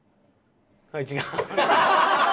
はい違う。